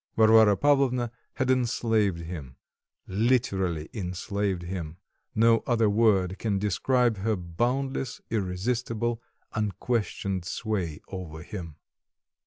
Varvara Pavolvna had enslaved him, literally enslaved him, no other word can describe her boundless, irresistible, unquestioned sway over him.